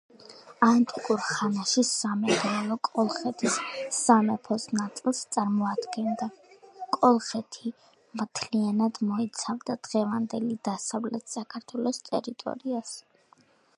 ანტიკურ ხანაში სამეგრელო კოლხეთის სამეფოს ნაწილს წარმოადგენდა. კოლხეთი მთლიანად მოიცავდა დღევანდელი დასავლეთ საქართველოს ტერიტორიას.